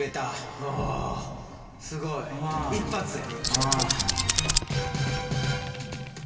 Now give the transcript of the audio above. おおすごい一発や。